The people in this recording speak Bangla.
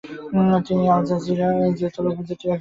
তিনি আলিজাই উপজাতির একজন জাতিগত পশতুন।